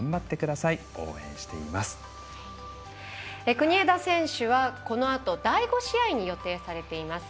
国枝選手はこのあと、第５試合に予定されています。